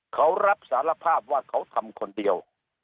เขารับสารภาพว่าเขาทำคนเดียว